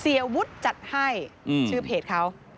เสียวุฒิจัดให้ชื่อเพจเขา